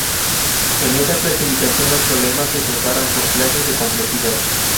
En esta clasificación los problemas se separan por clases de complejidad.